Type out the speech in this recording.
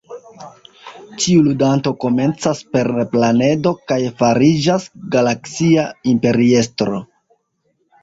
Ĉiu ludanto komencas "per planedo" kaj fariĝas galaksia imperiestro.